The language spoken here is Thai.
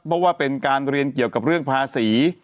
เพราะว่าเป็นการเรียนเกี่ยวกับเรื่องภาษี